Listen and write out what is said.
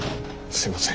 すいません